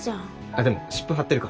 でも湿布貼ってるから。